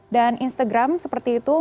dan instagram seperti itu